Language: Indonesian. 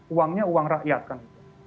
uangnya uang rakyat kan